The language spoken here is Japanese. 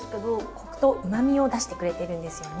コクとうまみを出してくれているんですよね。